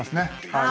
はい。